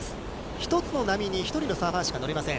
１つの波に１人のサーファーしか乗れません。